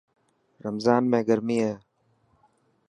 رمضان ۾ گرمي هي.